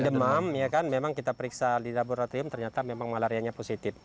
demam ya kan memang kita periksa di laboratorium ternyata memang malarianya positif